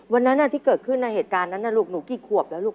วันนั้นที่เกิดขึ้นในเหตุการณ์นั้นนะลูกหนูกี่ขวบแล้วลูก